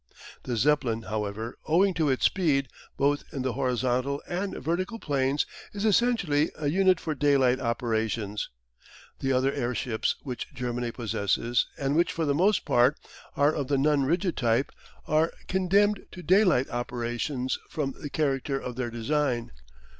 The Zeppelin, however, owing to its speed, both in the horizontal and vertical planes, is essentially a unit for daylight operations. The other airships which Germany possesses, and which for the most part are of the non rigid type, are condemned to daylight operations from the character of their design.